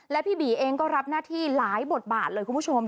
และพี่บีเองก็รับหน้าที่หลายบทบาทเลยคุณผู้ชม